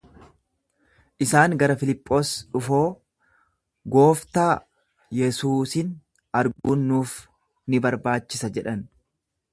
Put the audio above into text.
Isaan gara Filiphos dhufoo, Gooftaa, Yesuusin arguun nuuf ni barbaachisa jedhan.